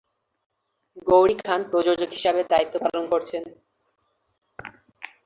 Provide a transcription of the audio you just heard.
গৌরী খান প্রযোজক হিসাবে দায়িত্ব পালন করছেন।